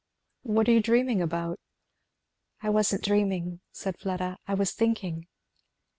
"What are you dreaming about?" "I wasn't dreaming," said Fleda, "I was thinking."